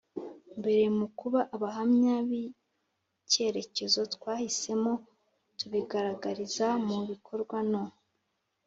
Mbere mu kuba abahamya b icyerekezo twahisemo tubigaragariza mu bikorwa no